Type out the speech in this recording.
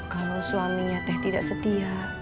kalau suaminya teh tidak setia